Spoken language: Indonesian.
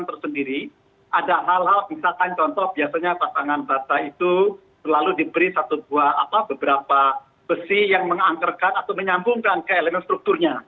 atau kalau memang terpaksa memang perlu ada treatment tersendiri ada hal hal misalkan contoh biasanya pasangan bata itu selalu diberi satu buah apa beberapa besi yang mengangkarkan atau menyambungkan ke elemen strukturnya